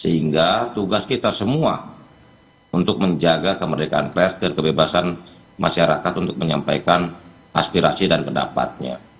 sehingga tugas kita semua untuk menjaga kemerdekaan pers dan kebebasan masyarakat untuk menyampaikan aspirasi dan pendapatnya